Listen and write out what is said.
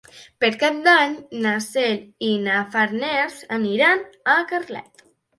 Per Cap d'Any na Cel i na Farners aniran a Carlet.